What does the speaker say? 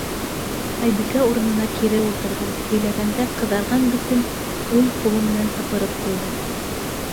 Айбикә урынына кире ултырҙы, һөйләгәндә ҡыҙарған битен уң ҡулы менән һыпырып ҡуйҙы.